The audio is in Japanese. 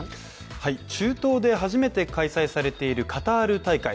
中東で初めて開催されているカタール大会。